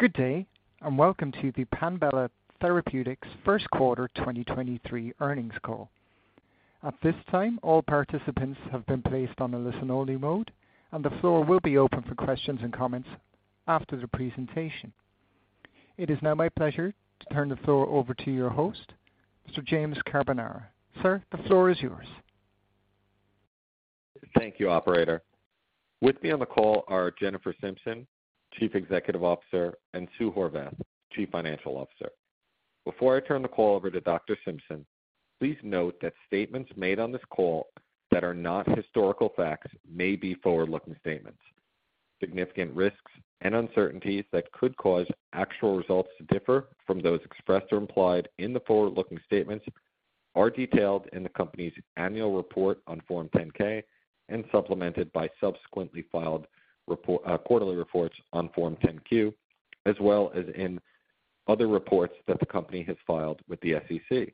Good day. Welcome to the Panbela Therapeutics First Quarter 2023 earnings call. At this time, all participants have been placed on a listen-only mode, and the floor will be open for questions and comments after the presentation. It is now my pleasure to turn the floor over to your host, Mr. James Carbonara. Sir, the floor is yours. Thank you, operator. With me on the call are Jennifer Simpson, Chief Executive Officer, and Sue Horvath, Chief Financial Officer. Before I turn the call over to Dr. Simpson, please note that statements made on this call that are not historical facts may be forward-looking statements. Significant risks and uncertainties that could cause actual results to differ from those expressed or implied in the forward-looking statements are detailed in the company's annual report on Form 10-K and supplemented by subsequently filed report, quarterly reports on Form 10-Q, as well as in other reports that the company has filed with the SEC.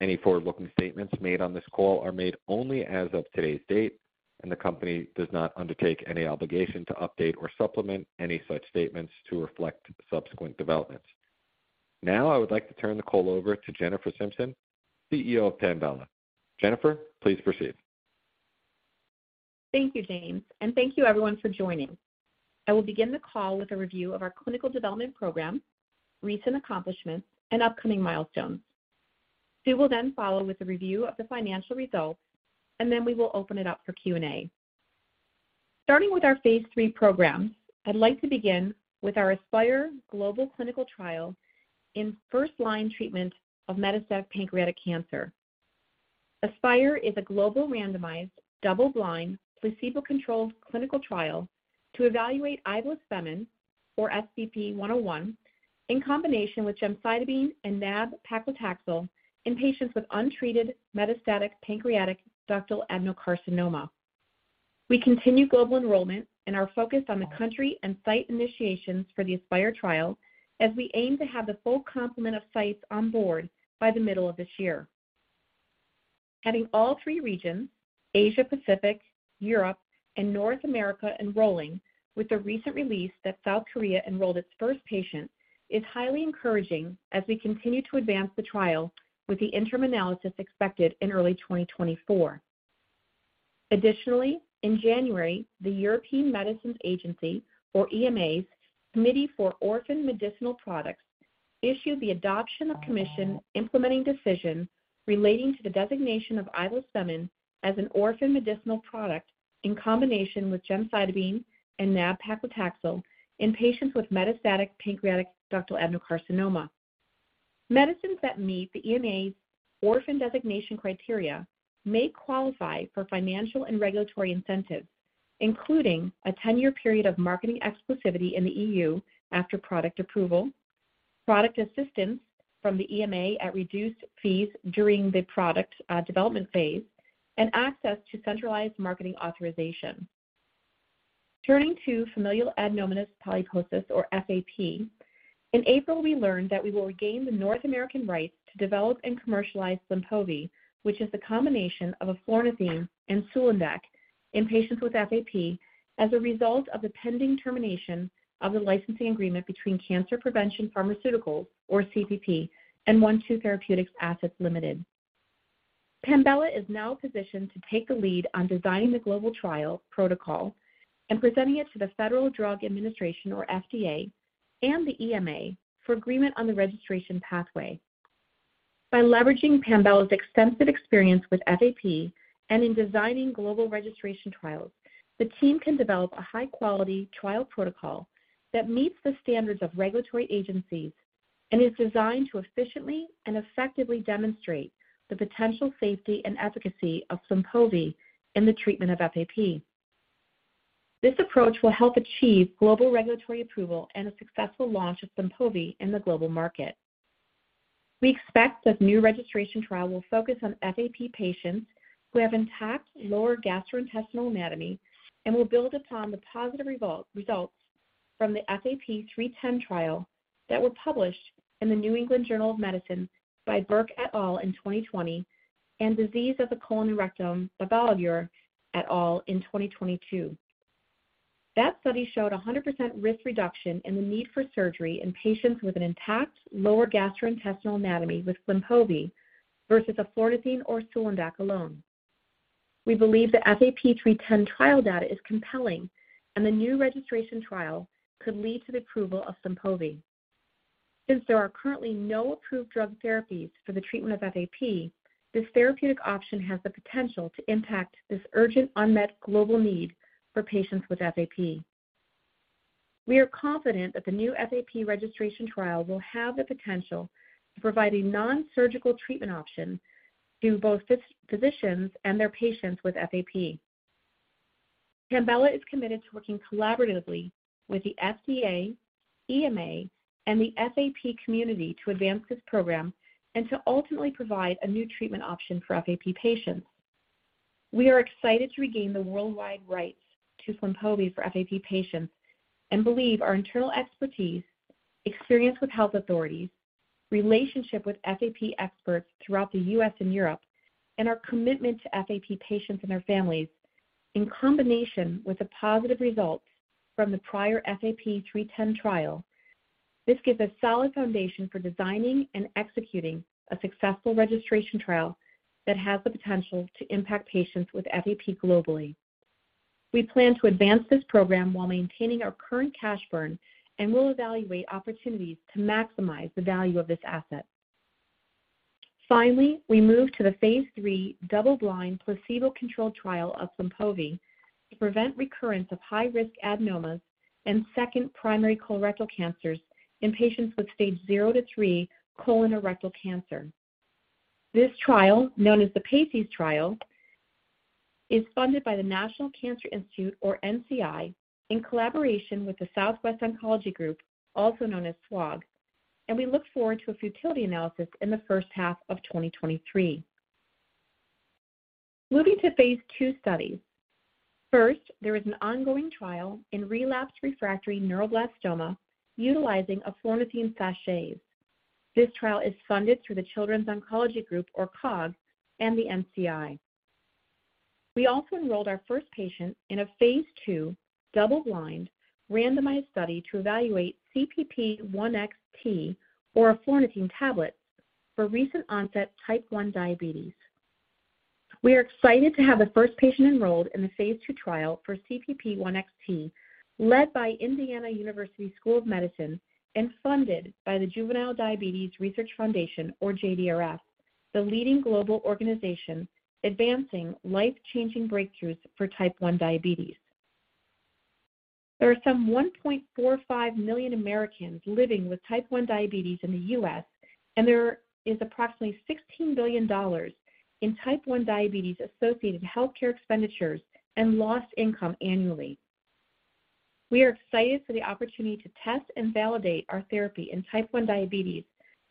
Any forward-looking statements made on this call are made only as of today's date, and the company does not undertake any obligation to update or supplement any such statements to reflect subsequent developments. Now I would like to turn the call over to Jennifer Simpson, CEO of Panbela. Jennifer, please proceed. Thank you, James, and thank you everyone for joining. I will begin the call with a review of our clinical development program, recent accomplishments, and upcoming milestones. Sue will then follow with a review of the financial results, and then we will open it up for Q&A. Starting with our phase III programs, I'd like to begin with our ASPIRE global clinical trial in first-line treatment of metastatic pancreatic cancer. ASPIRE is a global randomized double-blind placebo-controlled clinical trial to evaluate Ivospemin, or SBP-101, in combination with gemcitabine and nab-paclitaxel in patients with untreated metastatic pancreatic ductal adenocarcinoma. We continue global enrollment and are focused on the country and site initiations for the ASPIRE trial as we aim to have the full complement of sites on board by the middle of this year. Having all three regions, Asia-Pacific, Europe, and North America, enrolling with the recent release that South Korea enrolled its first patient is highly encouraging as we continue to advance the trial with the interim analysis expected in early 2024. Additionally, in January, the European Medicines Agency, or EMA's, Committee for Orphan Medicinal Products issued the Adoption of Commission Implementing Decision relating to the designation of Ivospemin as an orphan medicinal product in combination with gemcitabine and nab-paclitaxel in patients with metastatic pancreatic ductal adenocarcinoma. Medicines that meet the EMA's orphan designation criteria may qualify for financial and regulatory incentives, including a 10-year period of marketing exclusivity in the EU after product approval, product assistance from the EMA at reduced fees during the product development phase, and access to centralized marketing authorization. Turning to familial adenomatous polyposis or FAP. In April, we learned that we will regain the North American rights to develop and commercialize Flynpovi, which is the combination of eflornithine and sulindac in patients with FAP as a result of the pending termination of the licensing agreement between Cancer Prevention Pharmaceuticals, or CPP, and One-Two Therapeutics Assets Limited. Panbela is now positioned to take the lead on designing the global trial protocol and presenting it to the Food and Drug Administration, or FDA, and the EMA for agreement on the registration pathway. Leveraging Panbela's extensive experience with FAP and in designing global registration trials, the team can develop a high-quality trial protocol that meets the standards of regulatory agencies and is designed to efficiently and effectively demonstrate the potential safety and efficacy of Flynpovi in the treatment of FAP. This approach will help achieve global regulatory approval and a successful launch of Flynpovi in the global market. We expect that the new registration trial will focus on FAP patients who have intact lower gastrointestinal anatomy and will build upon the positive results from the FAP-310 trial that were published in The New England Journal of Medicine by Berk et al. in 2020 and Diseases of the Colon & Rectum by Vilar et al. in 2022. That study showed a 100% risk reduction in the need for surgery in patients with an intact lower gastrointestinal anatomy with Flynpovi versus eflornithine or sulindac alone. We believe the FAP-310 trial data is compelling. The new registration trial could lead to the approval of Flynpovi. Since there are currently no approved drug therapies for the treatment of FAP, this therapeutic option has the potential to impact this urgent unmet global need for patients with FAP. We are confident that the new FAP registration trial will have the potential to provide a non-surgical treatment option to both physicians and their patients with FAP. Panbela is committed to working collaboratively with the FDA, EMA, and the FAP community to advance this program and to ultimately provide a new treatment option for FAP patients. We are excited to regain the worldwide rights to Flynpovi for FAP patients and believe our internal expertiseExperience with health authorities, relationship with FAP experts throughout the U.S. and Europe, and our commitment to FAP patients and their families, in combination with the positive results from the prior FAP-310 trial, this gives a solid foundation for designing and executing a successful registration trial that has the potential to impact patients with FAP globally. We plan to advance this program while maintaining our current cash burn, and we'll evaluate opportunities to maximize the value of this asset. Finally, I move to the phase III double-blind placebo-controlled trial of Flynpovi to prevent recurrence of high-risk adenomas and second primary colorectal cancers in patients with stage 0-3 colon or rectal cancer. This trial, known as the PACES trial, is funded by the National Cancer Institute, or NCI, in collaboration with the Southwest Oncology Group, also known as SWOG. We look forward to a futility analysis in the first half of 2023. Moving to phase two studies. First, there is an ongoing trial in relapsed refractory neuroblastoma utilizing eflornithine sachets. This trial is funded through the Children's Oncology Group, or COG, and the NCI. We also enrolled our first patient in a phase two double-blind randomized study to evaluate CPP-1X-T, or eflornithine tablets for recent onset type 1 diabetes. We are excited to have the first patient enrolled in the phase two trial for CPP-1X-T led by Indiana University School of Medicine and funded by the Juvenile Diabetes Research Foundation, or JDRF, the leading global organization advancing life-changing breakthroughs for type 1 diabetes. There are some 1.45 million Americans living with type 1 diabetes in the U.S., and there is approximately $16 billion in Type 1 diabetes-associated healthcare expenditures and lost income annually. We are excited for the opportunity to test and validate our therapy in type 1 diabetes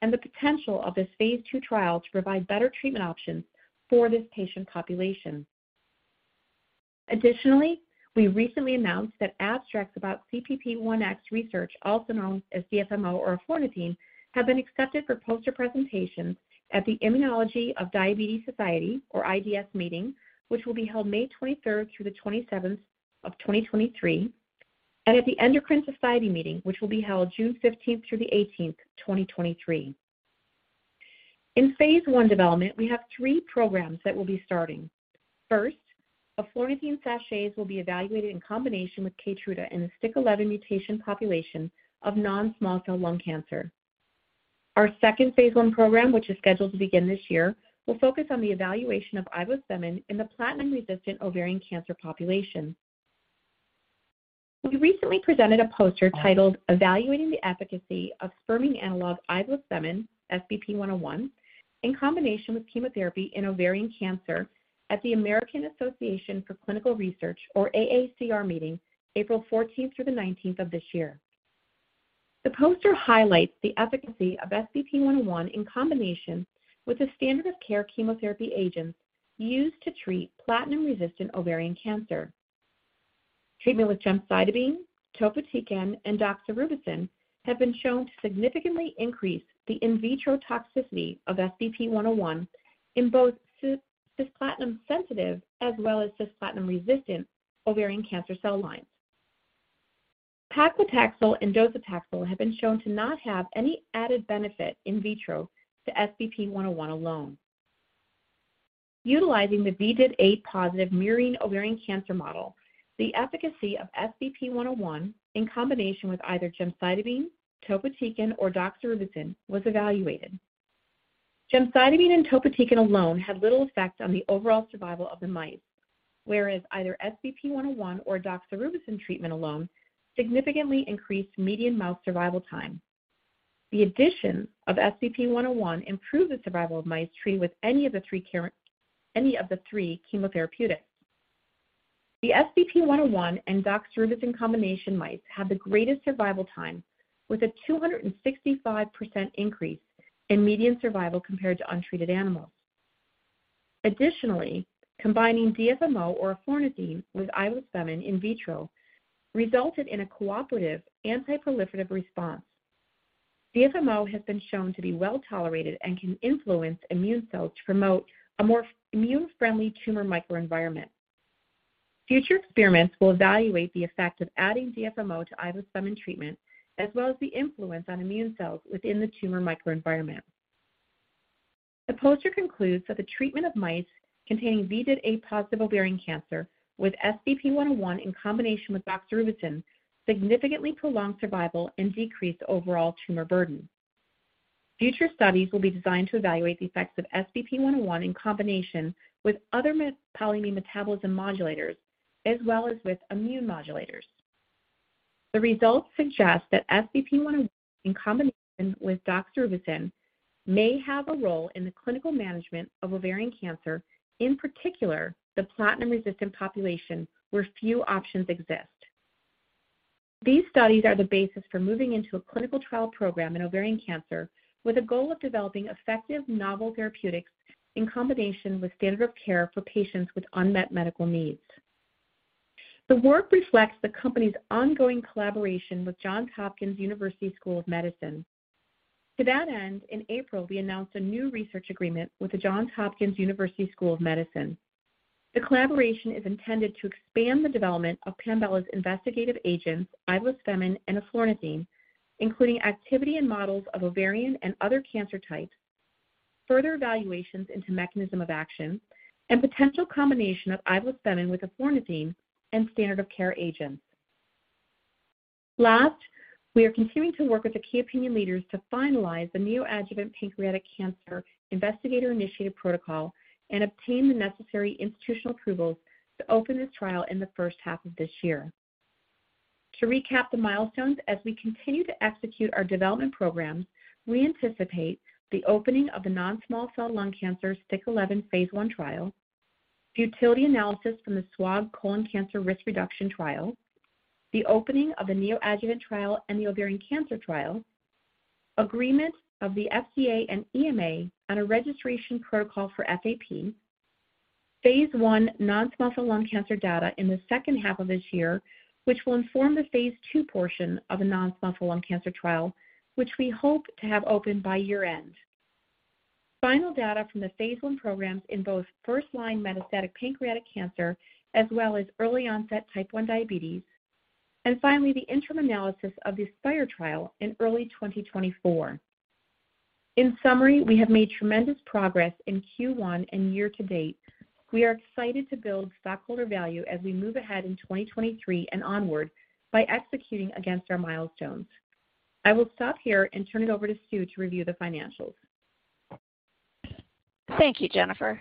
and the potential of this phase II trial to provide better treatment options for this patient population. We recently announced that abstracts about CPP-1X research, also known as DFMO or eflornithine, have been accepted for poster presentations at the Immunology of Diabetes Society, or IDS meeting, which will be held May 23rd through the 27th of 2023, and at the Endocrine Society meeting, which will be held June 15th through the 18th, 2023. In phase I development, we have three programs that we'll be starting. First, eflornithine sachets will be evaluated in combination with Keytruda in the STK11 mutation population of non-small cell lung cancer. Our second phase I program, which is scheduled to begin this year, will focus on the evaluation of Ivospemin in the platinum-resistant ovarian cancer population. We recently presented a poster titled Evaluating the Efficacy of Spermine Analog Ivospemin, SBP-101, in Combination with Chemotherapy in Ovarian Cancer at the American Association for Cancer Research, or AACR meeting April 14th through the 19th of this year. The poster highlights the efficacy of SBP-101 in combination with the standard of care chemotherapy agents used to treat platinum-resistant ovarian cancer. Treatment with gemcitabine, topotecan, and doxorubicin have been shown to significantly increase the in vitro toxicity of SBP-101 in both cisplatin-sensitive as well as cisplatin-resistant ovarian cancer cell lines. Paclitaxel and docetaxel have been shown to not have any added benefit in vitro to SBP-101 alone. Utilizing the ID8 positive murine ovarian cancer model, the efficacy of SBP-101 in combination with either gemcitabine, topotecan, or doxorubicin was evaluated. Gemcitabine and topotecan alone had little effect on the overall survival of the mice, whereas either SBP-101 or doxorubicin treatment alone significantly increased median mouse survival time. The addition of SBP-101 improved the survival of mice treated with any of the three chemotherapeutics. The SBP-101 and doxorubicin combination mice had the greatest survival time, with a 265% increase in median survival compared to untreated animals. Combining DFMO or eflornithine with Ivospemin in vitro resulted in a cooperative anti-proliferative response. DFMO has been shown to be well-tolerated and can influence immune cells to promote a more immune-friendly tumor microenvironment. Future experiments will evaluate the effect of adding DFMO to Ivospemin treatment, as well as the influence on immune cells within the tumor microenvironment. The poster concludes that the treatment of mice containing ID8 positive ovarian cancer with SBP-101 in combination with doxorubicin significantly prolonged survival and decreased overall tumor burden. Future studies will be designed to evaluate the effects of SBP-101 in combination with other polyamine metabolism modulators, as well as with immune modulators. The results suggest that SBP-101 in combination with doxorubicin may have a role in the clinical management of ovarian cancer, in particular the platinum-resistant population where few options exist. These studies are the basis for moving into a clinical trial program in ovarian cancer with a goal of developing effective novel therapeutics in combination with standard of care for patients with unmet medical needs. The work reflects the company's ongoing collaboration with Johns Hopkins University School of Medicine. To that end, in April, we announced a new research agreement with the Johns Hopkins University School of Medicine. The collaboration is intended to expand the development of Panbela's investigative agents, Ivospemin and eflornithine, including activity and models of ovarian and other cancer types, further evaluations into mechanism of action, and potential combination of Ivospemin with eflornithine and standard of care agents. Last, we are continuing to work with the key opinion leaders to finalize the neoadjuvant pancreatic cancer investigator-initiated protocol and obtain the necessary institutional approvals to open this trial in the first half of this year. To recap the milestones, as we continue to execute our development programs, we anticipate the opening of the non-small cell lung cancer STK11 phase I trial, futility analysis from the SWOG colon cancer risk reduction trial, the opening of the neoadjuvant trial and the ovarian cancer trial, agreement of the FDA and EMA on a registration protocol for FAP, phase I non-small cell lung cancer data in the second half of this year, which will inform the phase II portion of a non-small cell lung cancer trial, which we hope to have opened by year-end. Final data from the phase I programs in both first-line metastatic pancreatic cancer as well as early onset Type 1 diabetes. Finally, the interim analysis of the ASPIRE trial in early 2024. In summary, we have made tremendous progress in Q1 and year-to-date. We are excited to build stockholder value as we move ahead in 2023 and onward by executing against our milestones. I will stop here and turn it over to Sue to review the financials. Thank you, Jennifer.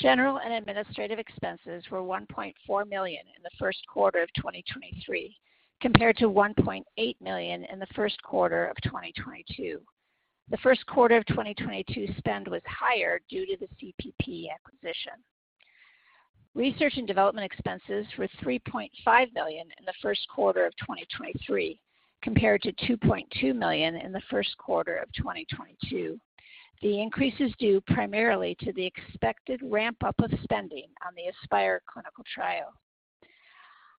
General and administrative expenses were $1.4 million in the first quarter of 2023, compared to $1.8 million in the first quarter of 2022. The first quarter of 2022 spend was higher due to the CPP acquisition. Research and development expenses were $3.5 million in the first quarter of 2023, compared to $2.2 million in the first quarter of 2022. The increase is due primarily to the expected ramp-up of spending on the ASPIRE clinical trial.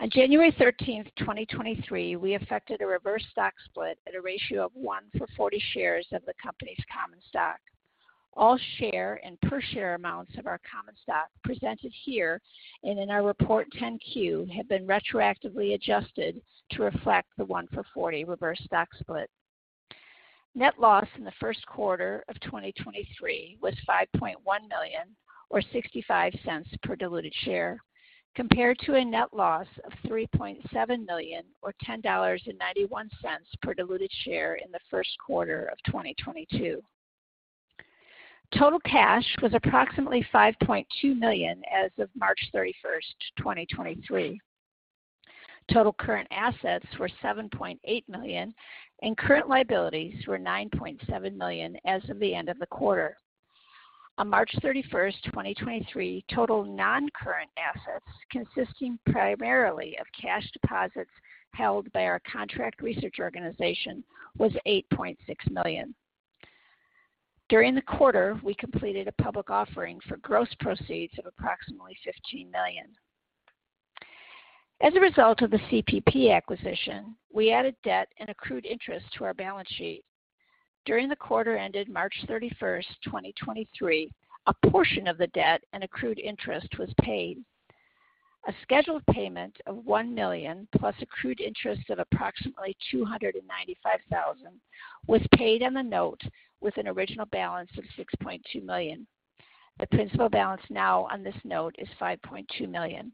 On January 13th, 2023, we affected a reverse stock split at a ratio of 1 for 40 shares of the company's common stock. All share and per share amounts of our common stock presented here and in our report 10-Q have been retroactively adjusted to reflect the 1 for 40 reverse stock split. Net loss in the first quarter of 2023 was $5.1 million or $0.65 per diluted share, compared to a net loss of $3.7 million or $10.91 per diluted share in the first quarter of 2022. Total cash was approximately $5.2 million as of March 31st, 2023. Total current assets were $7.8 million, and current liabilities were $9.7 million as of the end of the quarter. On March 31st, 2023, total non-current assets consisting primarily of cash deposits held by our contract research organization was $8.6 million. During the quarter, we completed a public offering for gross proceeds of approximately $15 million. As a result of the CPP acquisition, we added debt and accrued interest to our balance sheet. During the quarter ended March 31, 2023, a portion of the debt and accrued interest was paid. A scheduled payment of $1 million plus accrued interest of approximately $295,000 was paid on the note with an original balance of $6.2 million. The principal balance now on this note is $5.2 million.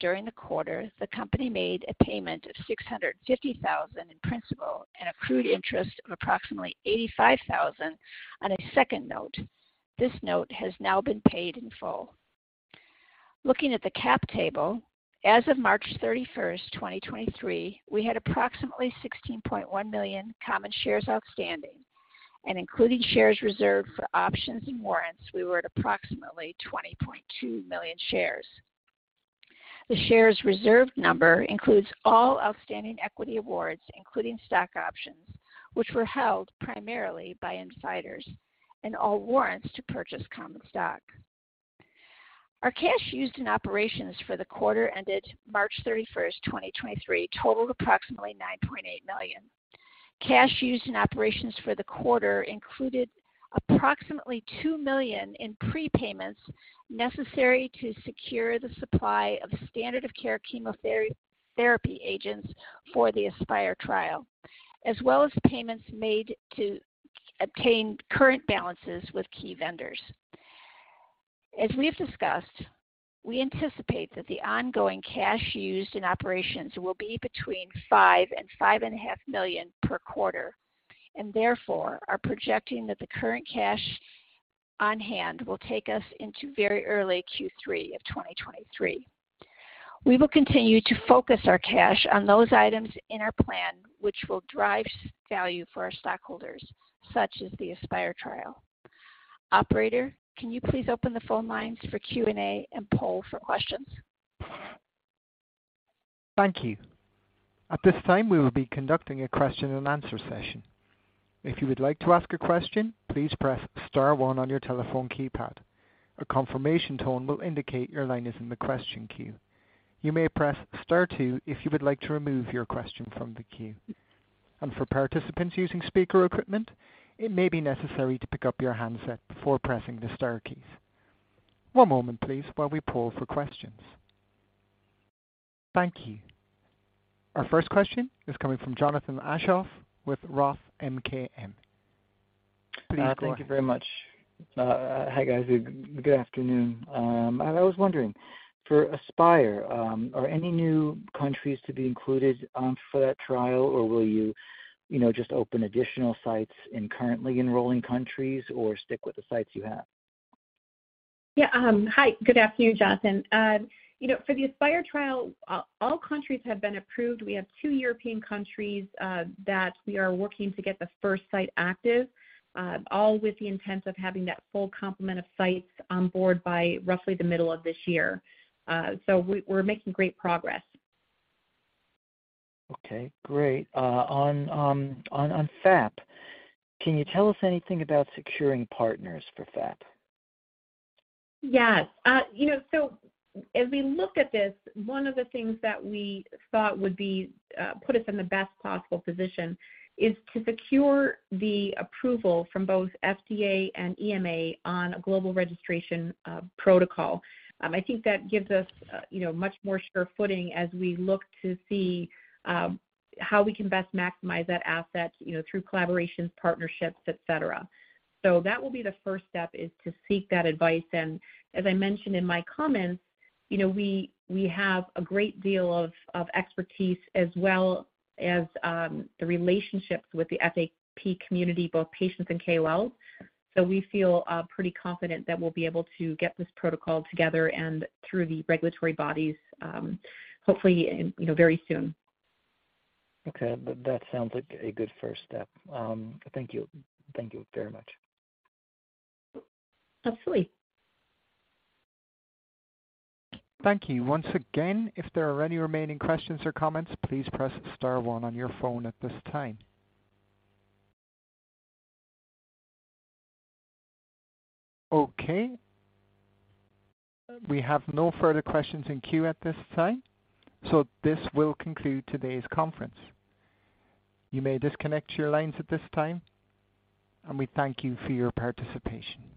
During the quarter, the company made a payment of $650,000 in principal and accrued interest of approximately $85,000 on a second note. This note has now been paid in full. Looking at the cap table, as of March 31, 2023, we had approximately 16.1 million common shares outstanding, and including shares reserved for options and warrants, we were at approximately 20.2 million shares. The shares reserved number includes all outstanding equity awards, including stock options, which were held primarily by insiders, and all warrants to purchase common stock. Our cash used in operations for the quarter ended March thirty-first, 2023 totaled approximately $9.8 million. Cash used in operations for the quarter included approximately $2 million in prepayments necessary to secure the supply of standard of care chemotherapy agents for the ASPIRE trial, as well as payments made to obtain current balances with key vendors. As we've discussed, we anticipate that the ongoing cash used in operations will be between $5 million and $5.5 million per quarter, and therefore are projecting that the current cash on hand will take us into very early Q3 of 2023. We will continue to focus our cash on those items in our plan which will drive value for our stockholders, such as the ASPIRE trial. Operator, can you please open the phone lines for Q&A and poll for questions? Thank you. At this time, we will be conducting a question and answer session. If you would like to ask a question, please press star one on your telephone keypad. A confirmation tone will indicate your line is in the question queue. You may press star two if you would like to remove your question from the queue. For participants using speaker equipment, it may be necessary to pick up your handset before pressing the star keys. One moment please while we poll for questions. Thank you. Our first question is coming from Jonathan Aschoff with Roth MKM. Please go on. Thank you very much. Hi, guys. Good afternoon. I was wondering for ASPIRE, are any new countries to be included for that trial or will you know, just open additional sites in currently enrolling countries or stick with the sites you have? Yeah. Hi, good afternoon, Jonathan. you know, for the ASPIRE trial, all countries have been approved. We have 2 European countries that we are working to get the first site active, all with the intent of having that full complement of sites on board by roughly the middle of this year. We're making great progress. Okay, great. On FAP, can you tell us anything about securing partners for FAP? Yes. You know, as we look at this, one of the things that we thought would be, put us in the best possible position is to secure the approval from both FDA and EMA on a global registration, protocol. I think that gives us, you know, much more sure footing as we look to see, how we can best maximize that asset, you know, through collaborations, partnerships, etc. That will be the first step, is to seek that advice. As I mentioned in my comments, you know, we have a great deal of expertise as well as the relationships with the FAP community, both patients and KOLs. We feel pretty confident that we'll be able to get this protocol together and through the regulatory bodies, hopefully, you know, very soon. Okay. That sounds like a good first step. Thank you very much. Absolutely. Thank you. Once again, if there are any remaining questions or comments, please press star one on your phone at this time. Okay. We have no further questions in queue at this time, this will conclude today's conference. You may disconnect your lines at this time. We thank you for your participation.